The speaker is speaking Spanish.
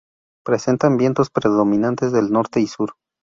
Presentan vientos predominantes del norte y sur.